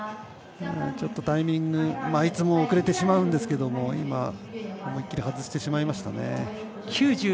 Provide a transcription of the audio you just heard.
ちょっとタイミングいつも遅れてしまうんですけども今、思い切り外してしまいましたね。